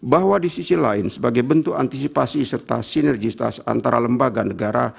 bahwa di sisi lain sebagai bentuk antisipasi serta sinergitas antara lembaga negara